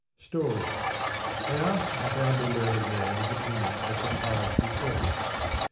Story. They asked a profoundly learned man his opinion as to pious bequests.